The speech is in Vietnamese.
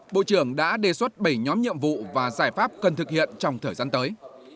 bộ trưởng đã đề xuất bảy nhóm nhiệm vụ và giải pháp cần thực hiện trong thời gian tới